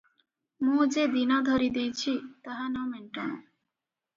ମୁଁ ଯେ ଦିନ ଧରି ଦେଇଛି, ତାହା ନ ମେଣ୍ଟନ ।"